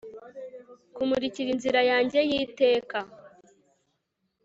Kumurikira inzira yanjye yiteka